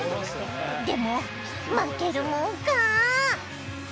でも負けるもんか！